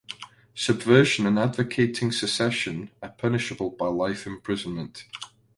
Subversion and advocating secession are punishable by life imprisonment.